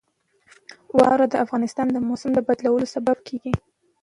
واوره د افغانستان د موسم د بدلون سبب کېږي.